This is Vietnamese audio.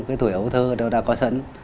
cái tuổi ấu thơ đâu đã có sẵn